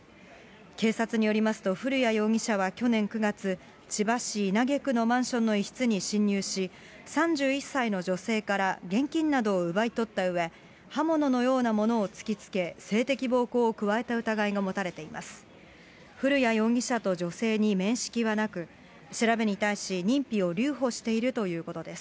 警察によりますと、古屋容疑者は去年９月、千葉市稲毛区のマンションの一室に侵入し、３１歳の女性から現金などを奪い取ったうえ、刃物のようなものを突きつけ、性的暴行を加えた疑いが持たれています。